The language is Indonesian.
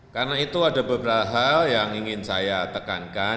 karena itu ada beberapa hal yang ingin saya tekankan